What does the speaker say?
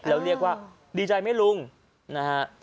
แล้วเรียกว่าดีใจไหมลุงนะฮะ